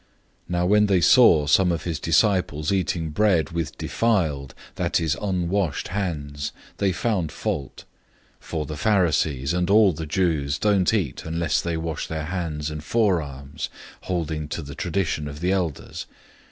007:002 Now when they saw some of his disciples eating bread with defiled, that is, unwashed, hands, they found fault. 007:003 (For the Pharisees, and all the Jews, don't eat unless they wash their hands and forearms, holding to the tradition of the elders.